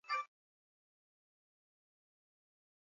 Mwalimu aligawanya vitabu kwa wanafunzi